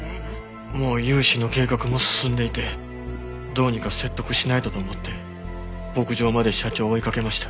もう融資の計画も進んでいてどうにか説得しないとと思って牧場まで社長を追い掛けました。